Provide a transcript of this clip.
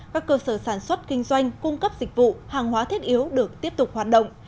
các cơ sở sản xuất kinh doanh cung cấp dịch vụ hàng hóa thiết yếu được tiếp tục hoạt động